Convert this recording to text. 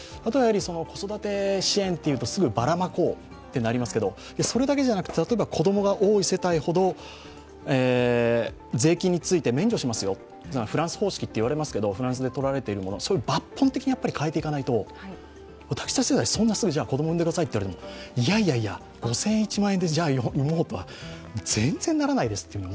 子育て支援というとすぐばらまこうとなりますけど、それだけじゃなくて、例えば子供が多い世帯ほど税金を免除しますよ、フランス方式と言われますけれども、フランスで取られているもの、そのように抜本的に変えていかないと私たちに、すぐ子どもを産んでくださいと言われてもいやいや５０００円、１万円で産もうとは全然ならないです。